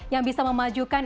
yang bisa memajukan